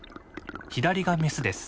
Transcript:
左がメスです。